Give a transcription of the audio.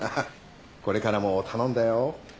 これからも頼んだよ。